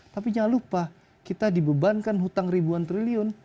tapi jangan lupa kita dibebankan hutang ribuan triliun